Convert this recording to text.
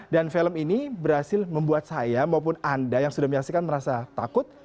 dan film ini berhasil membuat saya maupun anda yang sudah menyaksikan merasa takut